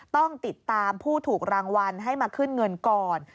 ต้องติดตามผู้ถูกรางวัลให้มาขึ้นเงินก่อน